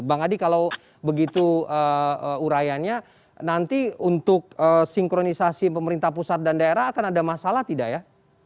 bang adi kalau begitu urayannya nanti untuk sinkronisasi pemerintah pusat dan daerah akan ada masalah tidak ya